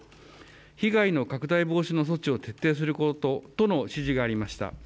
被害の拡大防止の措置を徹底することとの指示がありました。